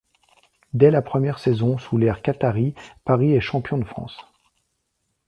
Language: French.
Dès la première saison sous l'ère qatari, Paris est champion de France.